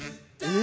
え？